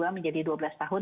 menjadi dua belas tahun